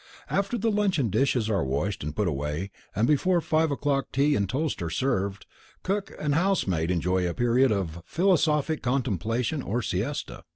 After the luncheon dishes are washed and put away, and before five o'clock tea and toast are served, cook and housemaid enjoy a period of philosophic contemplation or siesta.